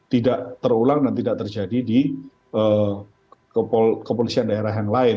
tidak terulang dan tidak terjadi di kepolisian daerah yang lain